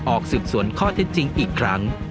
ออกสืบสวนข้อเท็จจริงอีกครั้ง